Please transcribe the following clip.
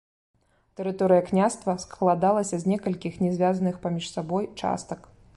Тэрыторыя княства складалася з некалькіх не звязаных паміж сабой частак.